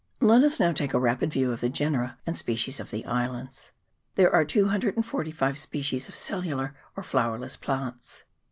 Let us now take a rapid view of the genera and species of the islands. There are 245 species of CELLULAR or FLOWERLESS plants.